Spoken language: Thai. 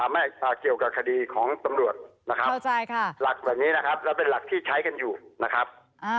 ไม่เกี่ยวกับคดีของตำรวจนะครับหลักแบบนี้นะครับแล้วเป็นหลักที่ใช้กันอยู่นะครับ